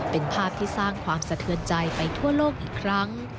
เป็นภาพที่สร้างความสะเทือนใจไปทั่วโลกอีกครั้ง